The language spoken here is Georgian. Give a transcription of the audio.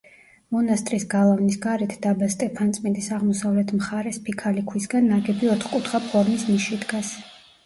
მონასტრის გალავნის გარეთ დაბა სტეფანწმინდის აღმოსავლეთ მხარეს, ფიქალი ქვისგან ნაგები ოთხკუთხა ფორმის ნიში დგას.